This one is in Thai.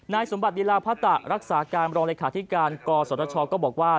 นายสมบัติยิลาภาษารักษาการรองรายขาธิการกสตชก็บอกว่า